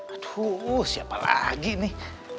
aduh siapa lagi nih